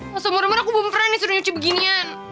langsung murah murah aku bumperan nih suruh nyuci beginian